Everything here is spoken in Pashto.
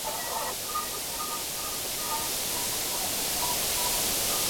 • د مورنۍ ژبي ورځ دي ټولو پښتنو ته مبارک وي,